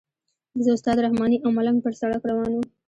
زه استاد رحماني او ملنګ پر سړک روان وو.